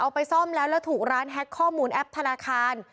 ไปซ่อมแล้วแล้วถูกร้านแฮ็กข้อมูลแอปธนาคาร